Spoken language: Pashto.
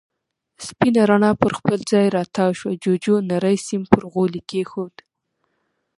سپينه رڼا پر خپل ځای را تاوه شوه، جُوجُو نری سيم پر غولي کېښود.